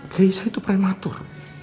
kesya itu prematur